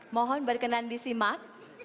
mohon berkenan disimak